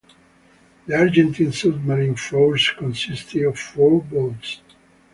The Argentine submarine forces consisted of four boats.